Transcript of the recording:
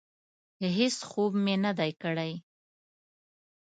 هېڅ خوب مې نه دی کړی.